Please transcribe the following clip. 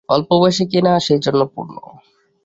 অল্প বয়স কিনা সেইজন্যে– পূর্ণ।